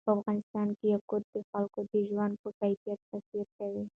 په افغانستان کې یاقوت د خلکو د ژوند په کیفیت تاثیر کوي.